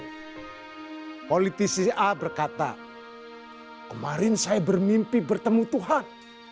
ketika politisi a berkata kemarin saya bermimpi bertemu tuhan